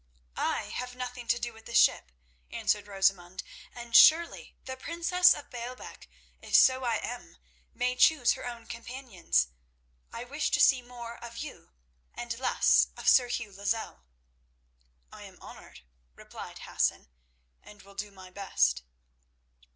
"I have nothing to do with the ship," answered Rosamund; "and surely the princess of Baalbec, if so I am, may choose her own companions. I wish to see more of you and less of Sir Hugh Lozelle." "I am honoured," replied Hassan, "and will do my best."